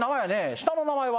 下の名前は？